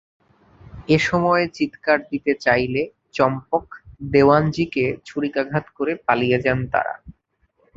এ সময় চিৎকার দিতে চাইলে চম্পক দেওয়ানজীকে ছুরিকাঘাত করে পালিয়ে যান তাঁরা।